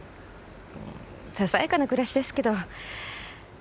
ささやかな暮らしですけど私たち